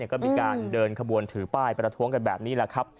ก็มีการเดินขบวนถือป้ายประโทษกันแบบนี้